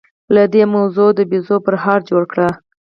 له دې موضوع مو د بيزو پرهار جوړ کړ.